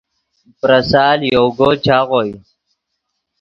پریسال یوگو چاغوئے